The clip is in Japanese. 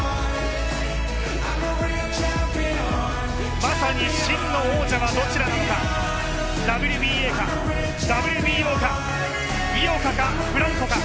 まさに真の王者はどちらなのか、ＷＢＡかＷＢＯか井岡かフランコか。